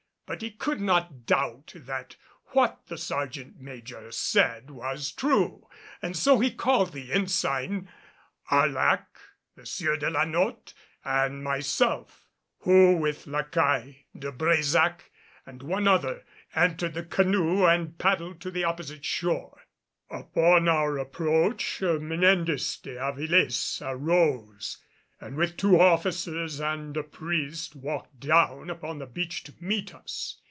But he could not doubt that what the sergeant major said was true, and so he called the Ensign Arlac, the Sieur de la Notte and myself, who with La Caille, De Brésac and one other entered the canoe and paddled to the opposite shore. Upon our approach Menendez de Avilés arose, and with two officers and a priest walked down upon the beach to meet us.